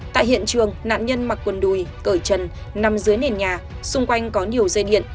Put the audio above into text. tại hiện trường nạn nhân mặc quần đùi cởi chân nằm dưới nền nhà xung quanh có nhiều dây điện